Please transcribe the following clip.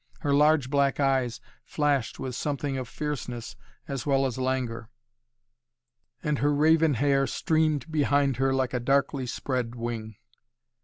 Her large black eyes flashed with something of fierceness as well as languor; and her raven hair streamed behind her like a darkly spread wing.